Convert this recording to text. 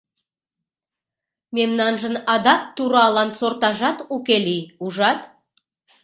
— Мемнанжын адак туралан сортажат уке лий, ужат...